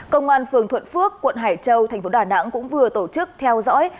công an phường thuận phước quận hải châu tp đà nẵng cũng vừa tổ chức theo dõi